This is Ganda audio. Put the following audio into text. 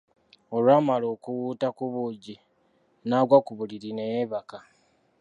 Olwamala okuwuuta ku buugi, n'aggwa ku buliriri ne yeebaka.